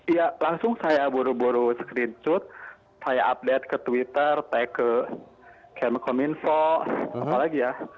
iya langsung saya buru buru screenshot saya update ke twitter tag ke kmkominfo apa lagi ya